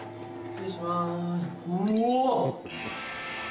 「失礼します。うお！」